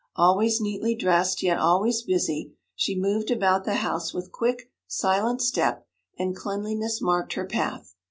Always neatly dressed, yet always busy, she moved about the house with quick, silent step, and cleanliness marked her path.